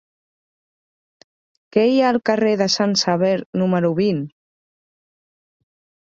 Què hi ha al carrer de Sant Sever número vint?